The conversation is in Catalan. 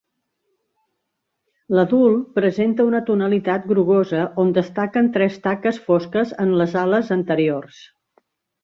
L’adult presenta una tonalitat grogosa on destaquen tres taques fosques en les ales anteriors.